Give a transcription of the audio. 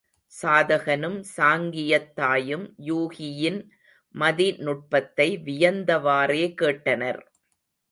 சாதகனும் சாங்கியத் தாயும் யூகியின் மதிநுட்பத்தை வியந்தவாறே கேட்டனர்.